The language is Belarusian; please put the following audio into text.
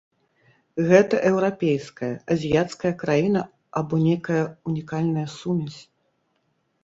Гэта еўрапейская, азіяцкая краіна або нейкая ўнікальная сумесь?